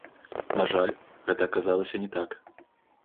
На жаль, гэта аказалася не так.